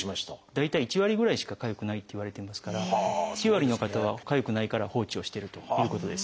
大体１割ぐらいしかかゆくないっていわれてますから９割の方はかゆくないから放置をしてるということです。